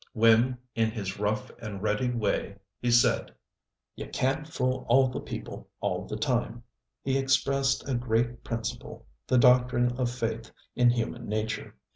When in his rough and ready way he said, ŌĆ£You canŌĆÖt fool all the people all the time, ŌĆØ he expressed a great principle, the doctrine of faith in human nature.